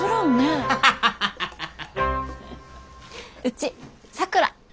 うちさくら。